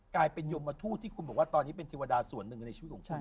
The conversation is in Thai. กลายเป็นยมทูตที่คุณบอกว่าตอนนี้เป็นเทวดาส่วนหนึ่งในชีวิตของคุณ